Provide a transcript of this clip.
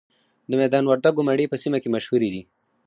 د میدان وردګو مڼې په سیمه کې مشهورې دي.